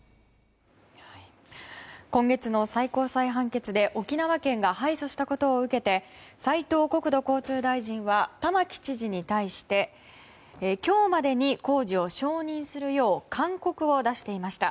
今月の最高裁判決で沖縄県が敗訴したことを受けて斉藤国土交通大臣は玉城知事に対して今日までに工事を承認するよう勧告を出していました。